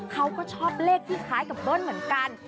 เขาก็ชอบเลขที่คล้ายกับเบิ้ลเหมือนกัน